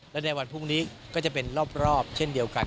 และในวันพรุ่งนี้ก็จะเป็นรอบเช่นเดียวกัน